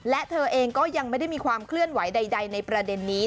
และเธอเองก็ยังไม่ได้มีความเคลื่อนไหวใดในประเด็นนี้